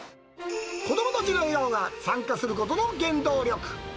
子どもたちの笑顔が参加することの原動力。